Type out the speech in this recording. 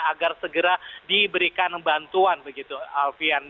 agar segera diberikan bantuan begitu alfian